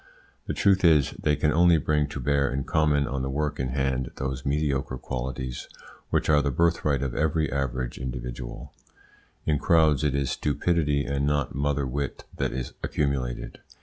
The truth is, they can only bring to bear in common on the work in hand those mediocre qualities which are the birthright of every average individual. In crowds it is stupidity and not mother wit that is accumulated.